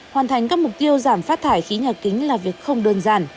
hoàn thành các mục tiêu giảm phát thải khí nhà kính là việc không đơn giản